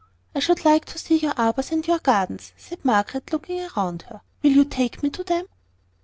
"I should like to see your arbours and your gardens," said Margaret, looking round her. "Will you take me to them?"